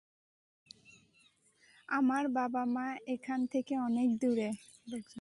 আমার বাবা-মা এখান থেকে অনেক দূরে।